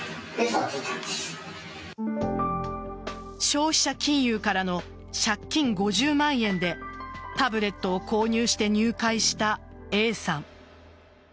消費者金融からの借金５０万円でタブレットを購入して入会したＡさん。